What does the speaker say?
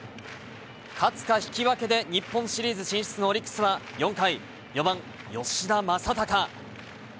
勝つか引き分けで、日本シリーズ進出のオリックスは４回、４番吉田正尚。